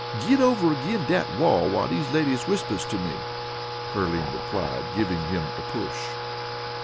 "Git over again dat wall while dese ladies whispers to me," Pearline replied, giving him a push.